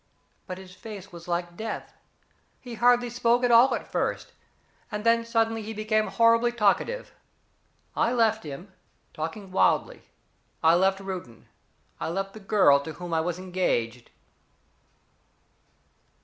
But his face was like death. He hardly spoke at all at first, and then suddenly he became horribly talkative. I left him talking wildly I left Reuton. I left the girl to whom I was engaged."